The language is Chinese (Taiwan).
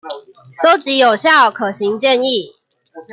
蒐集有效、可行建議